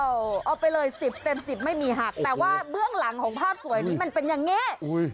โอ้โหเอาไปเลย๑๐เต็ม๑๐ไม่มีหักแต่ว่าเบื้องหลังของภาพสวยนี่เป็นอย่างนี้